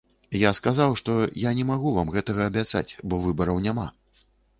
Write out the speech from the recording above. Я казаў, што я не магу вам гэтага абяцаць, бо выбараў няма.